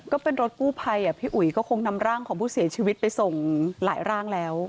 ก็เป็นรถกู้ภัยพี่อุ๋ยก็คงนำร่างของผู้เสียชีวิตไปส่งหลายร่างแล้ว